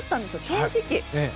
正直。